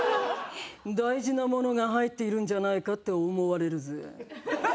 大事なものが入っているんじゃないかって思われるぜ。